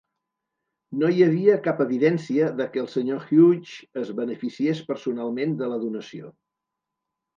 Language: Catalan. No hi havia cap evidència de que el senyor Hughes es beneficiés personalment de la donació.